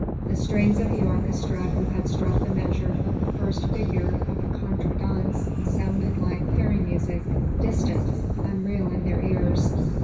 The strains of the orchestra who had struck the measure of the first figure of a contredanse sounded like fairy music, distant, unreal in their ears.